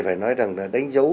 phải nói rằng là đánh dấu